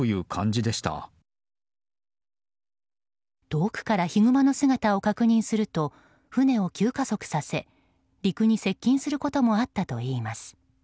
遠くからヒグマの姿を確認すると船を急加速させ陸に接近することもあったといいます。